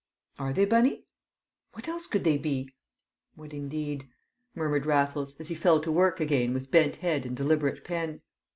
"Are they, Bunny?" "What else could they be?" "What, indeed!" murmured Raffles, as he fell to work again with bent head and deliberate pen.